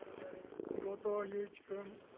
後藤祐一君。